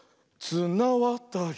「つなわたり」